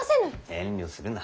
遠慮するな。